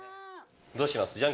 どうします？